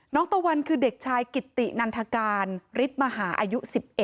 ตะวันคือเด็กชายกิตตินันทการฤทธิ์มหาอายุ๑๑